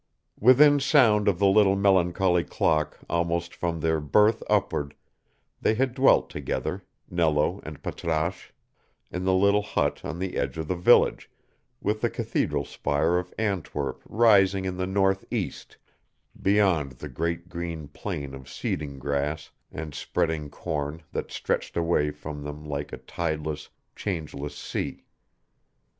Within sound of the little melancholy clock almost from their birth upward, they had dwelt together, Nello and Patrasche, in the little hut on the edge of the village, with the cathedral spire of Antwerp rising in the north east, beyond the great green plain of seeding grass and spreading corn that stretched away from them like a tideless, changeless sea.